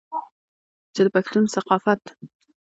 چې د پښتون ثقافت